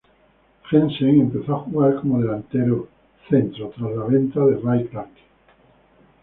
Jensen empezó a jugar como delantero centro, tras la venta de Ray Clarke.